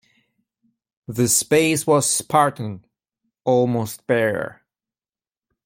The space was spartan, almost bare.